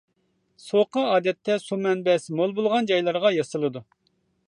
سوقا ئادەتتە سۇ مەنبەسى مول بولغان جايلارغا ياسىلىدۇ.